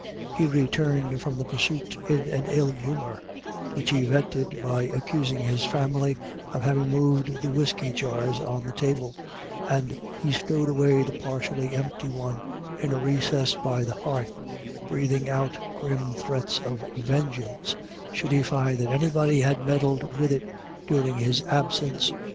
He returned from the pursuit in an ill humour, which he vented by accusing his family of having moved the whiskey jars on the table, and he stowed away the partially empty one in a recess by the hearth, breathing out grim threats of vengeance should he find that anybody had meddled with it during his absence.